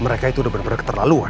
mereka itu udah benar benar keterlaluan